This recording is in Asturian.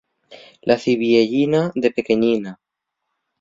La cibiellina, de pequeñina.